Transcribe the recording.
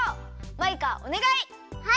マイカおねがい。